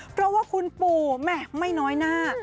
เพราะว่าคุณปู่แม่ไม่น้อยหน้า